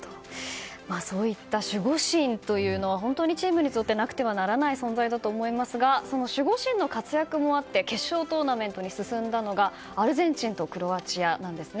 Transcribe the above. そういった守護神というのは本当にチームにとってなくてはならない存在だと思いますがその守護神の活躍もあって決勝トーナメントに進んだのがアルゼンチンとクロアチアなんですね。